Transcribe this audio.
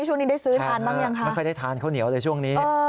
ช่วงนี้ได้ซื้อทานบ้างยังคะไม่ค่อยได้ทานข้าวเหนียวเลยช่วงนี้